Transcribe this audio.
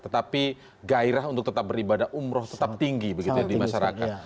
tetapi gairah untuk tetap beribadah umroh tetap tinggi begitu ya di masyarakat